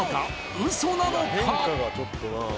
ウソなのか？